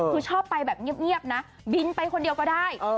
คือชอบไปแบบเงียบนะบินไปคนเดียวก็ได้